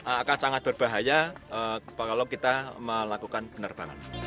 akan sangat berbahaya kalau kita melakukan penerbangan